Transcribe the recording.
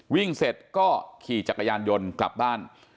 วิ่งเสร็จก็ขี่จักรยานยนต์กลับบ้าน